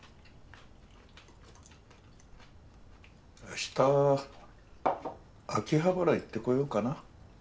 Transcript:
あした秋葉原行ってこようかな。